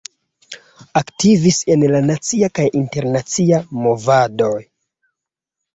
Aktivis en la nacia kaj internacia movadoj.